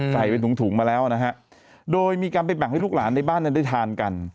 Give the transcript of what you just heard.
ใส่เป็นถุงถุงมาแล้วนะฮะโดยมีการไปแบ่งให้ลูกหลานในบ้านนั้นได้ทานกัน